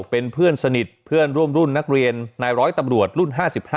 เป็นเพื่อนสนิทเพื่อนร่วมรุ่นนักเรียนนายร้อยตำรวจรุ่น๕๕